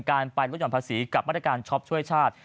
การไปลดหย่อนภาษีกับมาตรการช็อปช่วยชาติ